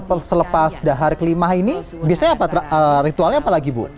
kalau selepas hari kelima ini biasanya ritualnya apa lagi bu